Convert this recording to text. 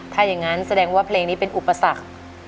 ถ้าอย่างนั้นแสดงว่าเพลงนี้เป็นอุปสรรค